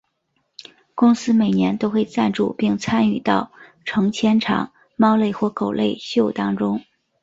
公司每年都会赞助并参与到成千场猫类或狗类秀当中。